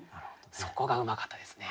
そこがうまかったですね。